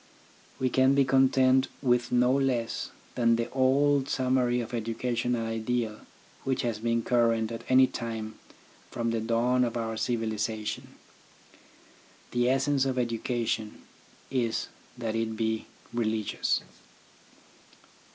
We can be content with no less than the old summary of educational ideal which has been current at any time from the dawn of our civilisa tion. The essence of education is that it be religious.